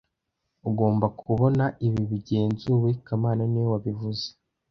Ugomba kubona ibi bigenzuwe kamana niwe wabivuze